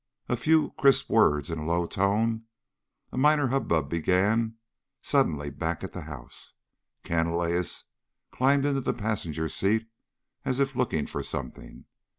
A few crisp words in a low tone. A minor hubbub began suddenly back at the house. Canalejas climbed into the passenger's seat as if looking for something.